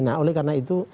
nah oleh karena itu